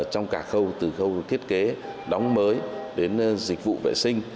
trong cả khâu từ khâu thiết kế đóng mới đến dịch vụ vệ sinh